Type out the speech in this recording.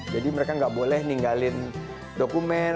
jadi mereka nggak boleh ninggalin dokumen